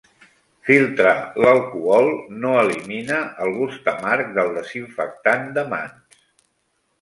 Filtrar l'alcohol no elimina el gust amarg del desinfectant de mans.